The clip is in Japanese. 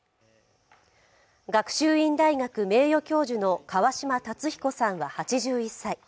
学習院大学名誉教授の川嶋辰彦さんは８１歳。